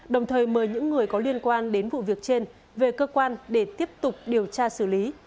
đồng thời mời những người có liên quan đến vụ việc trên về cơ quan để tiếp tục điều tra xử lý